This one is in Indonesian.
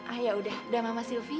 ah yaudah udah mama sylvia